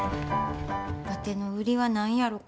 わての売りは何やろか？